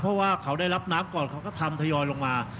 เพราะว่าเขาได้รับน้ำก่อนเขาก็ทำทยอยลงมา